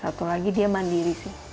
satu lagi dia mandiri sih